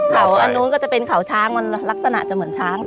เขาอันนู้นก็จะเป็นเขาช้างมันลักษณะจะเหมือนช้าง